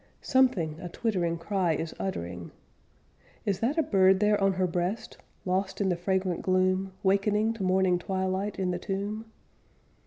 Something a twittering cry is uttering. Is that a bird there on her breast, Lost in the fragrant gloom, Wakening to morning twilight in the tomb?